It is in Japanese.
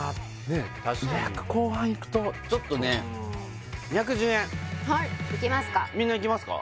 確かに２００後半いくとちょっとね２１０円いきますかみんないきますか？